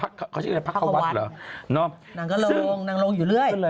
เขาชื่อเป็นพระเกาะวัดเหรอซึ่งนางก็โล่งอยู่เรื่อย